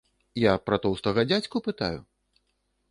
Я пра тоўстага дзядзьку пытаю?!